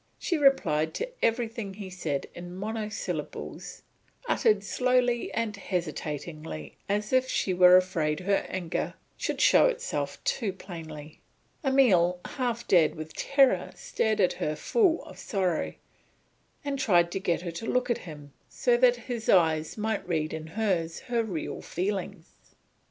She replied to everything he said in monosyllables uttered slowly and hesitatingly as if she were afraid her anger should show itself too plainly. Emile half dead with terror stared at her full of sorrow, and tried to get her to look at him so that his eyes might read in hers her real feelings.